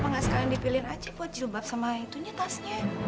kenapa gak sekalian dipilih aja buat jilbab sama itunya tasnya